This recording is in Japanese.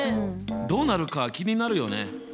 どうなるか気になるよね！